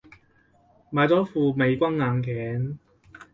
買咗副美軍眼鏡